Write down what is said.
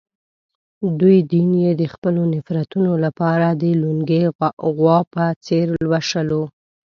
دوی دین یې د خپلو نفرتونو لپاره د لُنګې غوا په څېر لوشلو.